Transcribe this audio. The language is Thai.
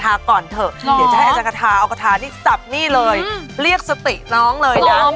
ที่เนี่ยรูปนิทสับนี้เลยเรียกสติน้องเลยนะ